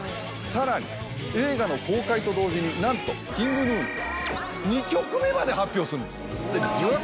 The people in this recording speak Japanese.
さらに映画の公開と同時になんとＫｉｎｇＧｎｕ２曲目まで発表するんです。